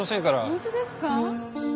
本当ですか？